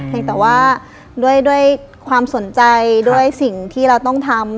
ยังแต่ว่าด้วยความสนใจด้วยสิ่งที่เราต้องทำ